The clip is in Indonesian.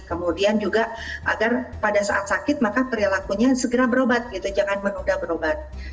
kemudian juga agar pada saat sakit maka perilakunya segera berobat gitu jangan menunda berobat